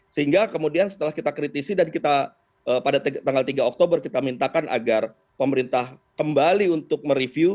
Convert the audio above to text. sehingga kemudian setelah kita kritisi dan kita pada tanggal tiga oktober kita mintakan agar pemerintah kembali untuk mereview